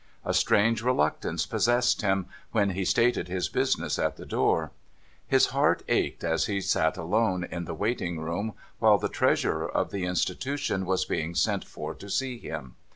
A strange reluctance possessed him, when he stated his business at the door. His heart ached as he sat alone in the waiting room while the Treasurer of the institution was being sent for to see him.